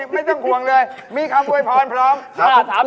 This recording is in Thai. ไม่ต้องห่วงเลยมีคำโวยพรพร้อม